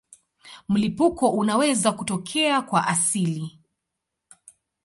Mlipuko unaweza kutokea kwa asili.